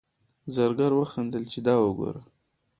زرګر وخندل چې دا وګوره.